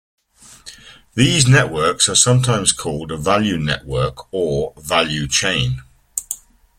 These networks are sometimes called a value network or value chain.